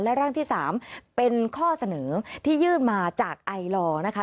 และร่างที่๓เป็นข้อเสนอที่ยื่นมาจากไอลอร์นะคะ